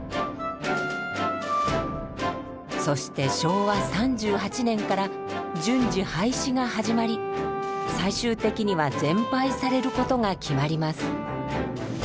そして昭和３８年から順次廃止が始まり最終的には全廃されることが決まります。